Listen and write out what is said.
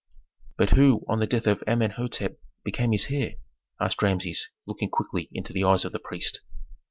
"But who, on the death of Amenhôtep, became his heir?" asked Rameses, looking quickly into the eyes of the priest.